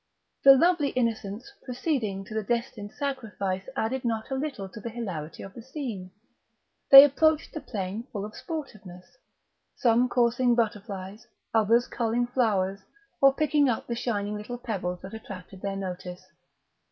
The lovely innocents proceeding to the destined sacrifice added not a little to the hilarity of the scene; they approached the plain full of sportiveness, some coursing butterflies, others culling flowers, or picking up the shining little pebbles that attracted their notice.